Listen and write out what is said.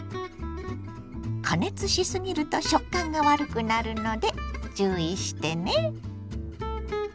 加熱しすぎると食感が悪くなるので注意してね。